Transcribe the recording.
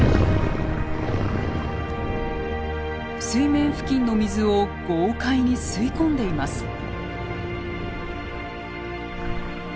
水面付近の水を豪快に吸い込んでいます。